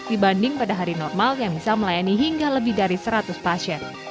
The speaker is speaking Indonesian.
dibanding pada hari normal yang bisa melayani hingga lebih dari seratus pasien